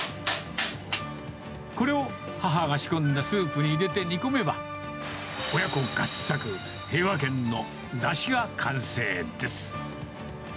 これを母が仕込んだスープに入れて煮込めば、親子合作、平和軒のだしが完成です。